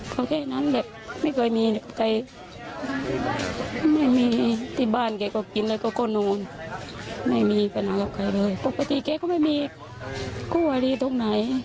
เปลี่ยงว่าพูดไม่ออกจริง